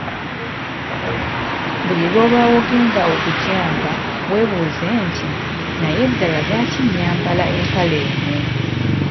Buli lw'oba ogenda okugyamba weebuuze nti, “Naye ddala lwaki nyambala empale eno?